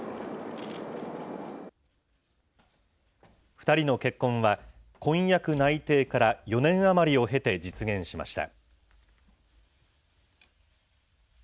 ２人の結婚は、婚約内定から４年余りを経て実現しました。